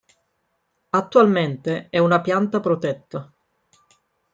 Attualmente è una pianta protetta.